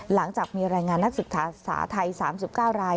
หลังจากมีรายงานนักศึกษาสาวไทย๓๙ราย